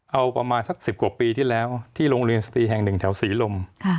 เอาประมาณสัก๑๐กว่าปีที่แล้วที่โรงเรียนสตรีแห่งหนึ่งแถวศรีลม